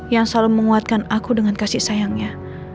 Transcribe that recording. yang selalu menguatkan aku dengan kasih sayangnya